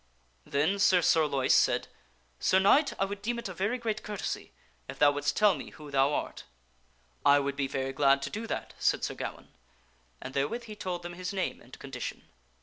Then Sir Sorloise said, " Sir Knight, I would deem it a very great cour tesy if thou wouldst tell me who thou art." " I would be very glad to do that," said Sir Gawaine, and therewith he told them his name and condition.